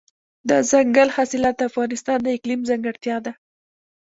دځنګل حاصلات د افغانستان د اقلیم ځانګړتیا ده.